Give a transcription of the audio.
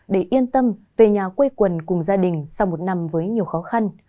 để yên tâm về nhà quây quần cùng gia đình sau một năm với nhiều khó khăn